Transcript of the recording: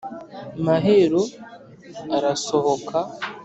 Mahero arasohoka